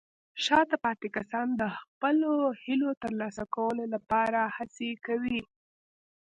شاته پاتې کسان د خپلو هیلو ترلاسه کولو لپاره هڅې کوي.